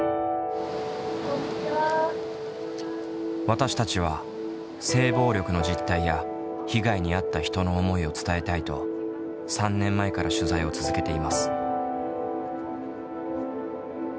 私たちは性暴力の実態や被害に遭った人の思いを伝えたいと３年前から取材を続けています。